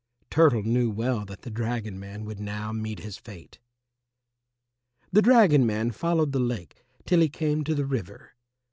Turtle knew well that the dragon man would now meet his fate. The dragon man followed the lake till he came to the river.